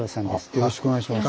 よろしくお願いします。